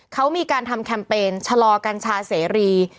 เขามีการทำแคมเปญชะลอกัญชาเสรี